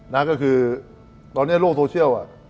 นะก็คือตอนนี้โลกโซเชียลอ่ะ